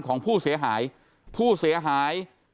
ของผู้เสียหาย